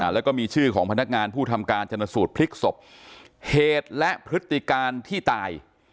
แล้วก็มีชื่อของพนักงานผู้ทำการชนสูตรพลิกศพเหตุและพฤติการที่ตาย